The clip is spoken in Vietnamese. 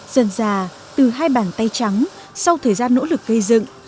dần dà từ hai bàn tay trắng sau thời gian nỗ lực cây dựng